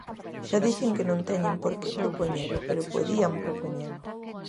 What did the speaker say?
Xa dixen que non teñen por que propoñelo, pero podían propoñelo.